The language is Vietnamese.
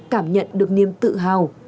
cảm nhận được niềm tự hào